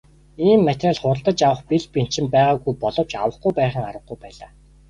Ийм материал худалдаж авах бэл бэнчин байгаагүй боловч авахгүй байхын аргагүй байлаа.